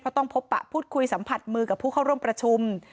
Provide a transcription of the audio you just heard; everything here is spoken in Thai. ต้องพบปะพูดคุยสัมผัสมือกับผู้เข้าร่วมประชุม